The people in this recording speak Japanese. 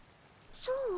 そう？